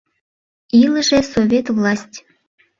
Илыже Совет власть!